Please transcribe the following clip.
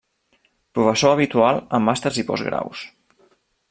Professor habitual en màsters i postgraus.